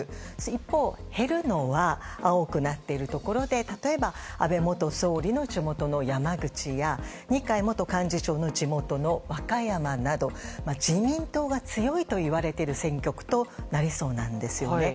一方、減るのは青くなっているところで例えば安倍元総理の地元の山口や二階元幹事長の地元の和歌山など自民党が強いといわれる選挙区となりそうなんですね。